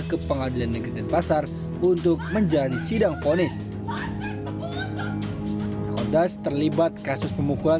ke pengadilan negeri dan pasar untuk menjalani sidang ponis kodas terlibat kasus pemukulan